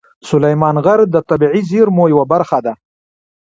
سلیمان غر د طبیعي زیرمو یوه برخه ده.